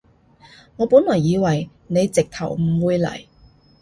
我本來以為你直頭唔會嚟